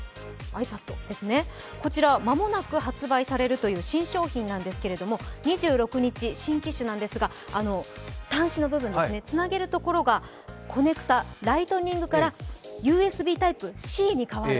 ｉＰａｄですね、こちら間もなく発売されるという新商品なんですが、２６日、新機種ですが、端子の部分、つなげるところがコネクタ、ライトニングからＵＳＢタイプＣに変わる。